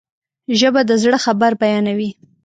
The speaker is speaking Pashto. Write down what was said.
ژبه د زړه خبر بیانوي